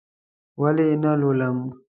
ولې یې نه لولم؟!